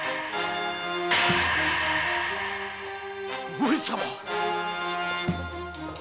上様！